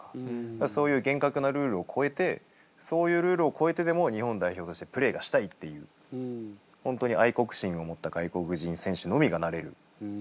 そういう厳格なルールを超えてそういうルールを超えてでも日本代表としてプレーがしたいっていう本当に愛国心を持った外国人選手のみがなれる。